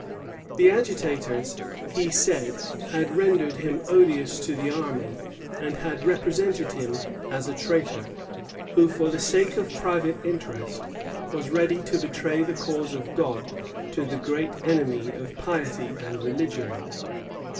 The agitators, he said, had rendered him odious to the army, and had represented him as a traitor, who, for the sake of private interest, was ready to betray the cause of God to the great enemy of piety and religion.